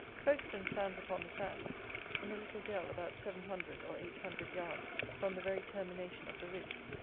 Folkestone stands upon the sand, in a little dell about seven hundred or eight hundred yards from the very termination of the ridge.